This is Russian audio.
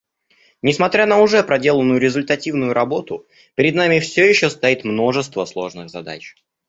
Несмотря на уже проделанную результативную работу, перед нами все еще стоит множество сложных задач.